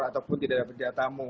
ataupun tidak ada berdia tamu